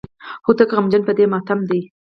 هوتک غمجن په دې ماتم دی.